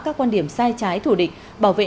các quan điểm sai trái thủ địch bảo vệ